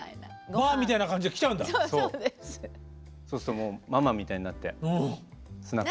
そうするともうママみたいになってスナックの。